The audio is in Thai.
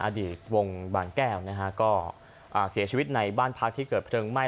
อดีตวงบางแก้วนะฮะก็เสียชีวิตในบ้านพักที่เกิดเพลิงไหม้